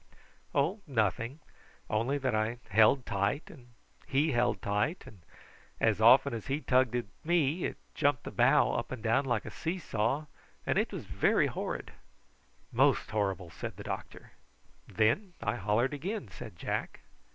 "Oh, nothing; only that I held tight and he held tight, and as often as he tugged at me it jumped the bough up and down like a see saw, and it was very horrid." "Most horrible!" said the doctor. "Then I hollered again," said Jack.